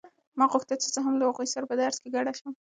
ما غوښتل چې زه هم له هغوی سره په درس کې ګډه شم.